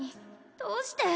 どうして！